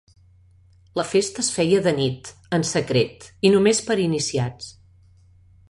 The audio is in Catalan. La festa es feia de nit, en secret, i només per iniciats.